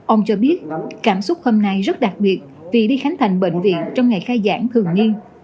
ông cho biết cảm xúc hôm nay rất đặc biệt vì đi khánh thành bệnh viện trong ngày khai giảng thường niên